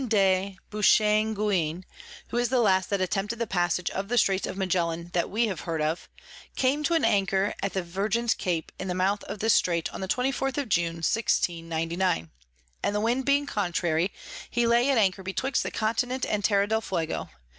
de Beauchesne Gouin, who is the last that attempted the Passage of the Straits of Magellan, that we have heard of, came to an anchor at the Virgins Cape in the mouth of this Strait the 24_th_ of June 1699. and the Wind being contrary, he lay at anchor betwixt the Continent and Terra del Fuego.